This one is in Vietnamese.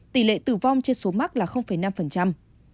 tỷ lệ tử vong trên số mắc là năm